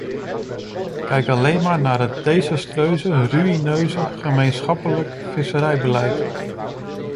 Kijk alleen maar naar het desastreuze, ruïneuze gemeenschappelijk visserijbeleid.